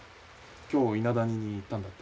今日伊那谷に行ったんだって？